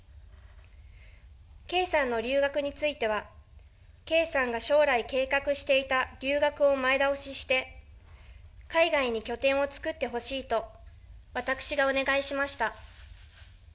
圭さんの留学については、圭さんが将来計画していた留学を前倒しして、海外に拠点を作ってほしいと、私がお願いしました。